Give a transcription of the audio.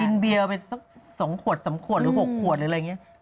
เบียร์ไปสัก๒ขวด๓ขวดหรือ๖ขวดหรืออะไรอย่างนี้